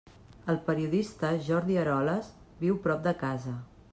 El periodista Jordi Eroles viu prop de casa.